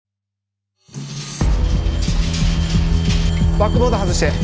バックボード外して。